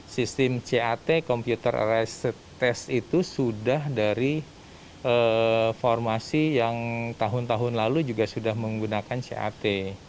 sistem cat computer ary test itu sudah dari formasi yang tahun tahun lalu juga sudah menggunakan cat